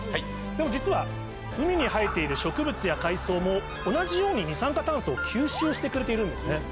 でも実は海に生えている植物や海藻も同じように二酸化炭素を吸収してくれているんですね。